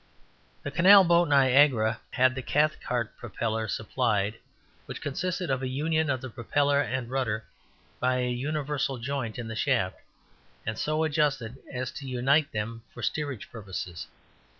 The canal boat Niagara had the Cathcart propeller supplied, which consisted of a union of the propeller and rudder by a universal joint in the shaft, and so adjusted as to unite them for steerage purposes.